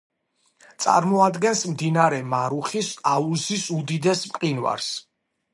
წარმოადგენს მდინარე მარუხის აუზის უდიდეს მყინვარს.